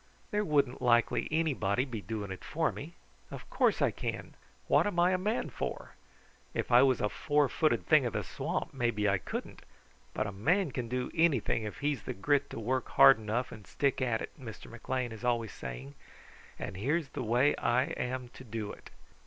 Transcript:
There wouldn't likely anybody be doing it for me. Of course I can! What am I a man for? If I was a four footed thing of the swamp, maybe I couldn't; but a man can do anything if he's the grit to work hard enough and stick at it, Mr. McLean is always saying, and here's the way I am to do it.